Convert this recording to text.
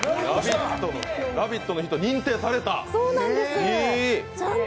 「ラヴィット！」の日と認定された。